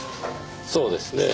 そうですねぇ。